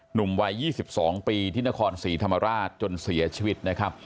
หนุ่มวัย๒๒ปีที่นครศรีธรรมราชจนเสียชีวิตนะครับ